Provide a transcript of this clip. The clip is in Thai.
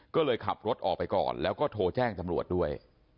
ก็เลยขับรถออกไปก่อนแล้วก็โทรแจ้งตำรวจด้วย